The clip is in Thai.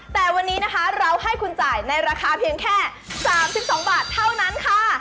แต่วันนี้นะคะเราให้คุณจ่ายในราคาเพียงแค่๓๒บาทเท่านั้นค่ะ